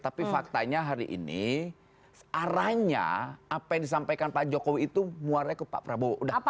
tapi faktanya hari ini arahnya apa yang disampaikan pak jokowi itu muaranya ke pak prabowo